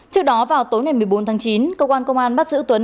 trước đó vào tối ngày một mươi bốn tháng chín cơ quan công an bắt giữ tuấn